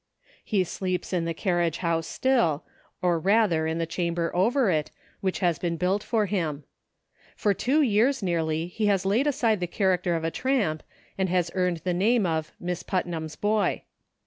He sleeps in the carriage GROWING "NECESSARY, IO5 house still, or rather in the chamber over it, which has been built for him. For two years, nearly, he has laid aside the character of a tramp, and has earned the name of "Miss Putnam's boy."